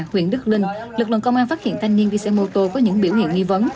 huyện đức linh lực lượng công an phát hiện thanh niên đi xe mô tô có những biểu hiện nghi vấn